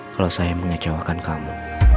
kalau saya mengecewakan kamu